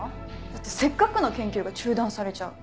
だってせっかくの研究が中断されちゃう。